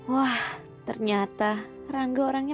wah ternyata rangga orangnya